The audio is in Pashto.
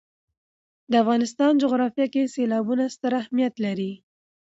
د افغانستان جغرافیه کې سیلابونه ستر اهمیت لري.